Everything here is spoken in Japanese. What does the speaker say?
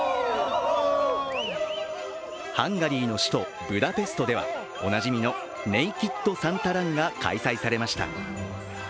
ハンガリーの首都ブダペストではおなじみのネイキッド・サンタ・ランが開催されました。